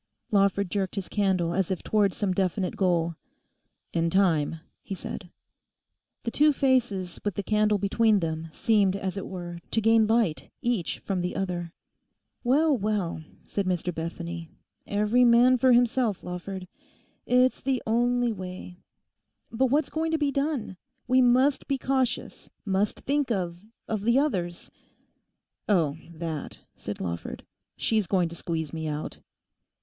Lawford jerked his candle as if towards some definite goal. 'In time,' he said. The two faces with the candle between them seemed as it were to gain light each from the other. 'Well, well,' said Mr Bethany, 'every man for himself, Lawford; it's the only way. But what's going to be done? We must be cautious; must think of—of the others?' 'Oh, that,' said Lawford; 'she's going to squeeze me out.